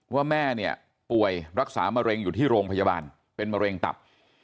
ว่าแม่เนี่ยป่วยรักษามะเร็งอยู่ที่โรงพยาบาลเป็นมะเร็งตับ